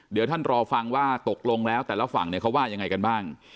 เดี๋ยวท่านรอฟังว่าตกลงแล้วแต่ละฝั่งเนี่ยเขาว่ายังไงกันบ้าง